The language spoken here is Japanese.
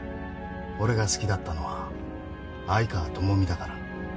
俺が好きだったのは愛川朋美だから。